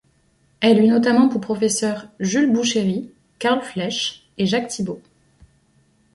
Elle eut notamment pour professeurs Jules Boucherit, Carl Flesch et Jacques Thibaud.